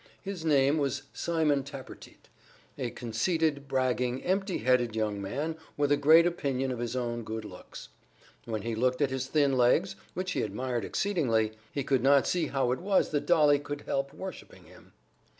His name was Simon Tappertit a conceited, bragging, empty headed young man with a great opinion of his own good looks. When he looked at his thin legs, which he admired exceedingly, he could not see how it was that Dolly could help worshiping him.